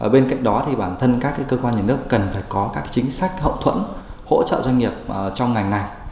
bên cạnh đó thì bản thân các cơ quan nhà nước cần phải có các chính sách hậu thuẫn hỗ trợ doanh nghiệp trong ngành này